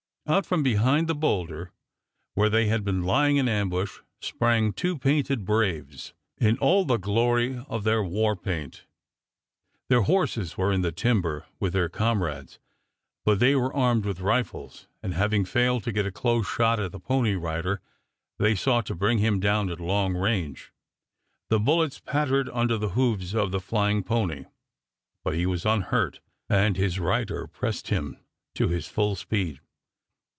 Out from behind the bowlder, where they had been lying in ambush, sprang two painted braves, in all the glory of their war paint. Their horses were in the timber with their comrades, but they were armed with rifles, and having failed to get a close shot at the pony rider they sought to bring him down at long range. The bullets pattered under the hoofs of the flying pony, but he was unhurt, and his rider pressed him to his full speed.